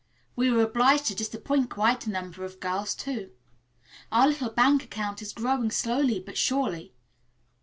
We were obliged to disappoint quite a number of girls, too. Our little bank account is growing slowly but surely.